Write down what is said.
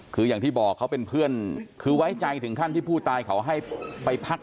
คืออย่างที่บอกเขาเป็นเพื่อนคือไว้ใจถึงขั้นที่ผู้ตายเขาให้ไปพัก